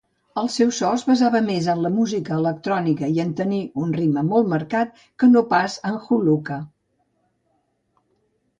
El seu so es basava més en la música electrònica i en tenir un ritme molt marcat, que no pas en Juluka.